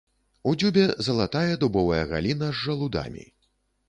У дзюбе залатая дубовая галіна з жалудамі.